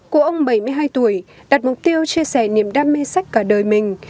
của ông bảy mươi hai tuổi đặt mục tiêu chia sẻ niềm đam mê sách cả đời mình